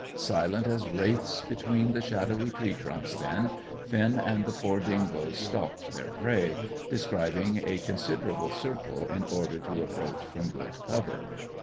Silent as wraiths between the shadowy tree trunks then, Finn and the four dingoes stalked their prey, describing a considerable circle in order to approach from good cover.